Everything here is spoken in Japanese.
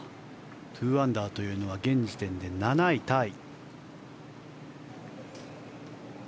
２アンダーというのは現時点で７位タイ。